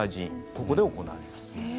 ここで行われます。